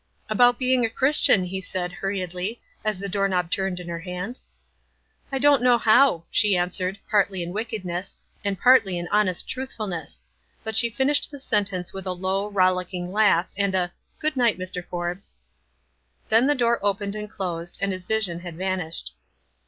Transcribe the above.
"About being a Christian," he said, hurried ly, as the door knob turned in her hand. "I don't know how," she answered, partly in wickedness, and partly in honest truthfulness; but she finished the sentence with a low, rollick ing laugh, and a "Good night, Mr. Forbes." Then the door opened and closed, and his vision had vanished.